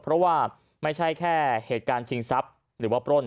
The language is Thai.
เพราะว่าไม่ใช่แค่เหตุการณ์ชิงทรัพย์หรือว่าปล้น